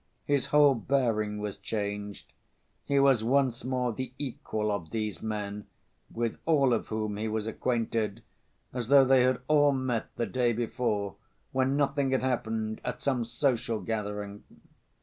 His whole bearing was changed; he was once more the equal of these men, with all of whom he was acquainted, as though they had all met the day before, when nothing had happened, at some social gathering.